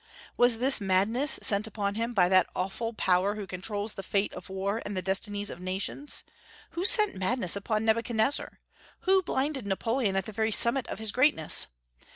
Was this madness sent upon him by that awful Power who controls the fate of war and the destinies of nations? Who sent madness upon Nebuchadnezzar? Who blinded Napoleon at the very summit of his greatness?